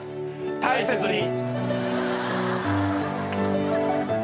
大切に。